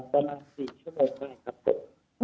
ประมาณ๔ชั่วโมงได้ครับผม